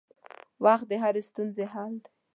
وخت د هرې ستونزې حل دی.